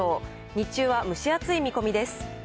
日中は蒸し暑い見込みです。